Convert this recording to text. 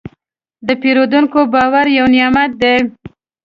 د پیرودونکي باور یو نعمت دی.